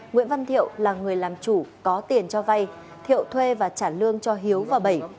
nguyễn văn thiệu là người làm chủ có tiền cho vay thiệu thuê và trả lương cho hiếu và bảy